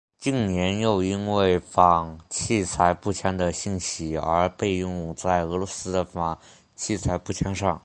近年又因为反器材步枪的兴起而被用在俄罗斯的反器材步枪上。